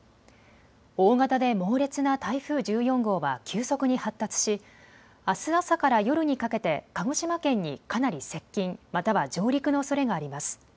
大型で猛烈な台風１４号は急速に発達し、あす朝から夜にかけて鹿児島県にかなり接近、または上陸のおそれがあります。